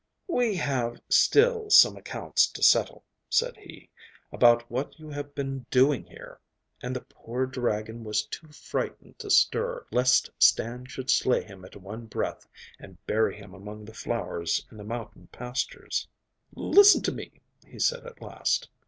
'We have still some accounts to settle,' said he, 'about what you have been doing here,' and the poor dragon was too frightened to stir, lest Stan should slay him at one breath and bury him among the flowers in the mountain pastures. 'Listen to me,' he said at last.